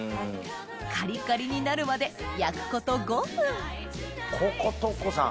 カリカリになるまで焼くこと５分ここ徳子さん。